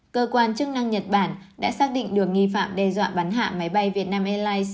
cơ quan chức năng nhật bản đã xác định được nghi phạm đe dọa bắn hạ máy bay vietnam airlines